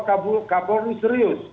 kak polri serius